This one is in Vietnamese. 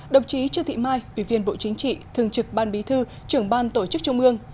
đồng chí trương thị mai ủy viên bộ chính trị thường trực ban bí thư trưởng ban tổ chức trung ương